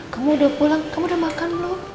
kamu udah pulang kamu udah makan lo